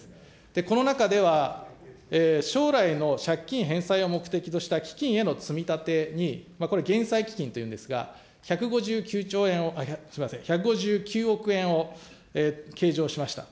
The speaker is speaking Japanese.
この中では将来の借金返済を目的とした基金への積み立てに、これ、げんさい基金というんですが、１５９兆円、すみません、１５９億円を計上しました。